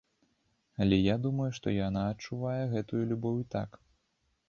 Але я думаю, што яна адчувае гэтую любоў і так.